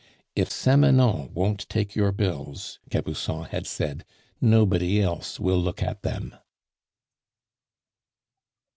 "If Samanon won't take your bills," Gabusson had said, "nobody else will look at them."